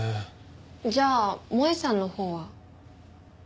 じゃあ萌絵さんのほうは？